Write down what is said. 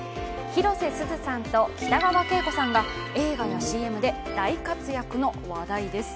広瀬すずさんと北川景子さんが映画やＣＭで大活躍の話題です。